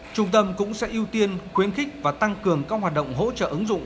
trung tâm cũng sẽ ưu tiên khuyến khích và tăng cường các hoạt động hỗ trợ ứng dụng